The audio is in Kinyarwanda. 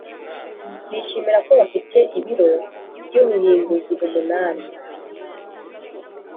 Bishimira ko bafite ibiro by ubuhinduzi umunani